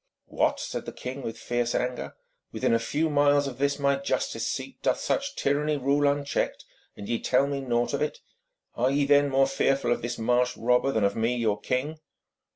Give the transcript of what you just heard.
'What!' said the king with fierce anger, 'within a few miles of this my justice seat doth such tyranny rule unchecked, and ye tell me naught of it? Are ye then more fearful of this marsh robber than of me your king?'